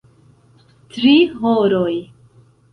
Tri horoj.